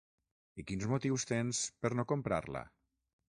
I quins motius tens per no comprar-la?